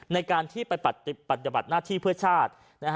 ในการที่ไปปฏิบัติหน้าที่เพื่อชาติ